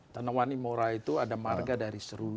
tanawani mora itu ada marga dari seruwi